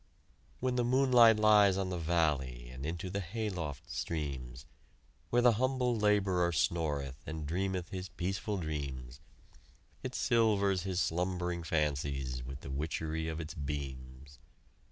When the moonlight lies on the valley And into the hayloft streams, Where the humble laborer snoreth And dreameth his peaceful dreams; It silvers his slumbering fancies With the witchery of its beams.